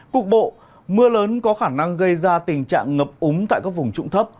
cục bộ mưa lớn có khả năng gây ra tình trạng ngập úng tại các vùng trụng thấp